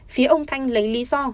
phía ông thanh lấy lý do